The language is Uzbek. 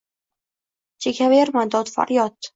Chekaverma dod-faryod.